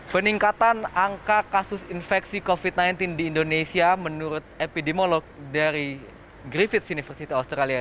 peningkatan angka kasus infeksi covid sembilan belas di indonesia menurut epidemiolog dari griffith university australia